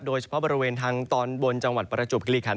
โดยเฉพาะบริเวณทางตอนบนจังหวัดประจวบคิริขัน